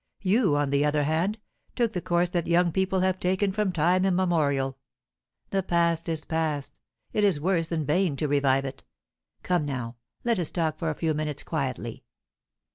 You, on the other hand, took the course that young people have taken from time immemorial. The past is past; it is worse than vain to revive it. Come, now, let us talk for a few minutes quietly."